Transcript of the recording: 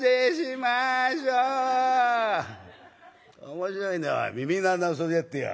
「面白いな耳の穴の掃除だってよ。